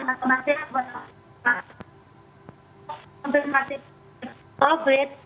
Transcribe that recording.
untuk masyarakat yang masih covid